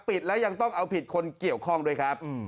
ปิดแล้วยังต้องเอาผิดคนเกี่ยวข้องด้วยครับ